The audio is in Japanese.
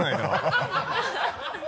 ハハハ